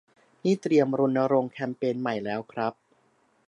นี่เตรียมรณรงค์แคมเปญใหม่แล้วครับ